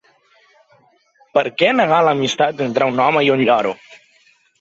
¿Per què negar l'amistat entre un home i un lloro?